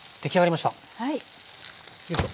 よいしょ。